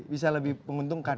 bisa lebih penguntung